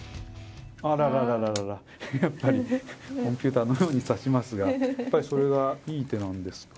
あらららら、やっぱり、コンピューターのように指しますが、やっぱりそれがいい手なんですか。